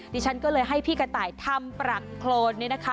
ดิฉันก็เลยให้พี่กระต่ายทำปรักโครนนี่นะคะ